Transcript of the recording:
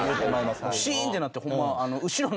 シーンってなってホンマ